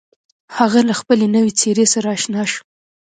هغه له خپلې نوې څېرې سره اشنا شو.